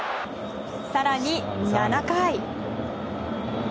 更に、７回。